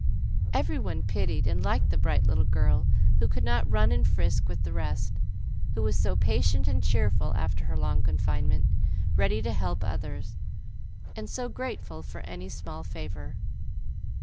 Every one pitied and liked the bright little girl who could not run and frisk with the rest, who was so patient and cheerful after her long confinement, ready to help others, and so grateful for any small favor.